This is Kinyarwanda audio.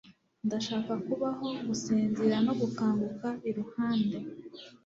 Ndashaka kubaho gusinzir no gukanguka iruhande